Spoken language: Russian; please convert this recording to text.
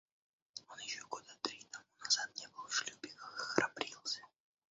Он еще года три тому назад не был в шлюпиках и храбрился.